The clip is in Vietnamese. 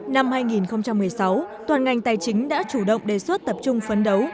năm hai nghìn một mươi sáu toàn ngành tài chính đã chủ động đề xuất tập trung phấn đấu